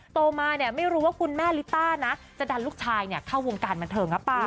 โตมาเนี่ยไม่รู้ว่าคุณแม่ลิต้านะจะดันลูกชายเข้าวงการบันเทิงหรือเปล่า